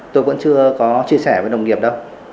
tôi vẫn chưa có chia sẻ với đồng nghiệp đâu